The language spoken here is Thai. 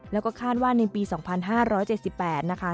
แล้วก็คาดว่าในปี๒๕๗๘นะคะ